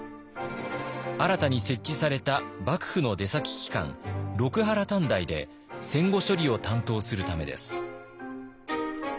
新たに設置された幕府の出先機関六波羅探題で戦後処理を担当するためです。